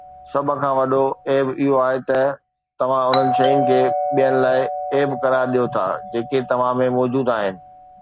سڀ کان وڏو عيب اهو آهي ته توهان انهن شين کي ٻين لاءِ عيب قرار ڏيو ٿا جيڪي توهان ۾ موجود آهن